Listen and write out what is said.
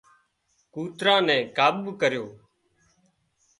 ڪوترا نين ڪابو ڪريو